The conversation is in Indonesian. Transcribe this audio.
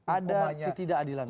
ada ketidakadilan mas